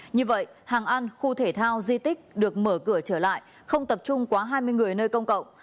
như vậy hàng ăn khu thể thao di tích được mở cửa trở lại không tập trung quá hai mươi người nơi công cộng